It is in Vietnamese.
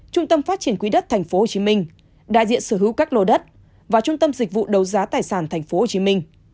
trung tâm phát triển quỹ đất tp hcm đại diện sở hữu các lô đất và trung tâm dịch vụ đấu giá tài sản tp hcm